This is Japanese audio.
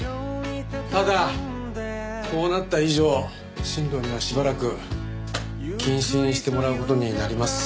ただこうなった以上新藤にはしばらく謹慎してもらう事になります。